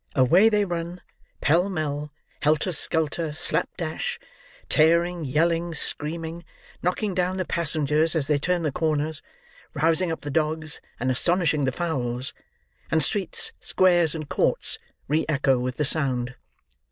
Away they run, pell mell, helter skelter, slap dash: tearing, yelling, screaming, knocking down the passengers as they turn the corners, rousing up the dogs, and astonishing the fowls: and streets, squares, and courts, re echo with the sound.